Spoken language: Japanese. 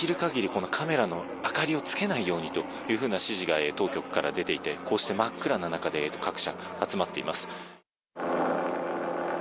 このカメラの明かりをつけないようにという指示が当局から出ていて、こうして真っ暗な中で各社、集まっています。